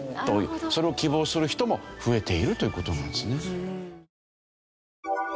それを希望する人も増えているという事なんですね。